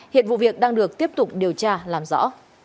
hiện vụ việc đang được tiếp tục điều tra làm rõ